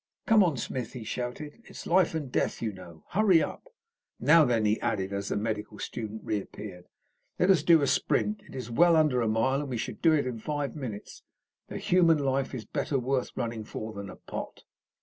"Come on, Smith!" he shouted. "It's life and death, you know. Hurry up! Now, then," he added, as the medical student reappeared, "let us do a sprint. It is well under a mile, and we should do it in five minutes. A human life is better worth running for than a pot."